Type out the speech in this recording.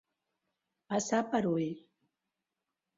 Passar per ull.